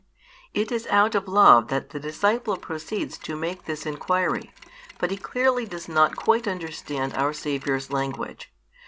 It is out of love that the disciple proceeds to make this inquiry, but he clearly does not quite understand our Saviour's language.